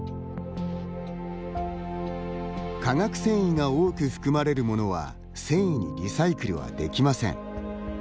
化学繊維が多く含まれるものは繊維にリサイクルはできません。